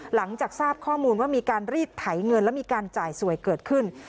หลังจากทราบข้อมูลว่ามีการรีดไถเงินและมีการจ่ายสวยเกิดขึ้น